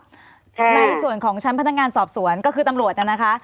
ในส่วนของชั้นพนักงานสอบสวนก็คือตำรวจน่ะนะคะ